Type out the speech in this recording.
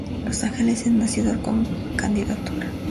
Los Ángeles es una ciudad con candidatura.